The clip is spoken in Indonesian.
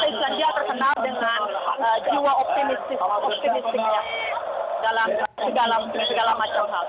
karena konten islandia terkenal dengan jiwa optimistiknya dalam segala macam hal